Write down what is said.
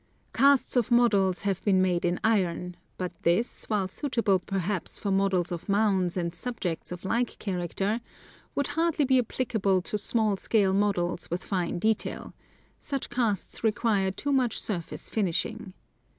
Casts of models have been made in iron ; but this, while suitable 268 National Geographic Magazine. perhaps for models of mounds and subjects of like character, would hardly be applicable to small scale models with fine detail ; such casts require too much surface finishing.